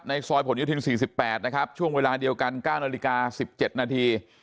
ซอยผลโยธิน๔๘นะครับช่วงเวลาเดียวกัน๙นาฬิกา๑๗นาที